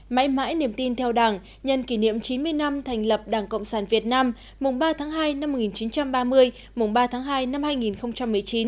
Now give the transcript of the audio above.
mãi mãi niềm tin theo đảng nhân kỷ niệm chín mươi năm thành lập đảng cộng sản việt nam mùng ba tháng hai năm một nghìn chín trăm ba mươi mùng ba tháng hai năm hai nghìn một mươi chín